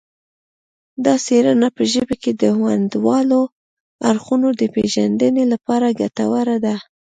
دا څیړنه په ژبه کې د ونډوالو اړخونو د پیژندنې لپاره ګټوره ده